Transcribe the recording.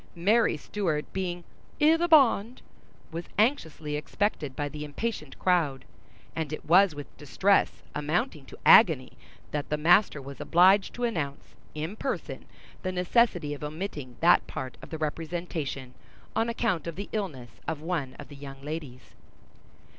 Mary Stuart being "i' the bond," was anxiously expected by the impatient crowd, and it was with distress amounting to agony that the master was obliged to announce, in person, the necessity of omitting that part of the representation, on account of the illness of one of the young ladies.